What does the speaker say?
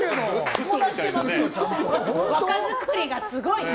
若作りがすごい。